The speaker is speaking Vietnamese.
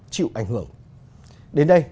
chịu ảnh hưởng đến đây